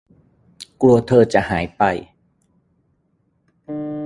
กลัวเธอจะหายไป